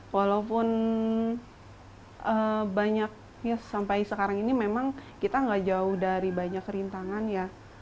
walaupun banyak ya sampai sekarang ini memang kita gak jauh dari banyak rintangan ya